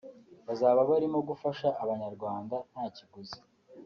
bazaba barimo gufasha Abanyarwanda nta kiguzi